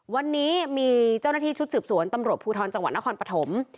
วันนี้มีเจ้าหน้าที่ชุดสืบสวนตำรวจภูทรจังหวัดนครปฐม